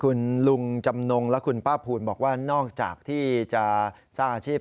คุณลุงจำนงและคุณป้าภูลบอกว่านอกจากที่จะสร้างอาชีพ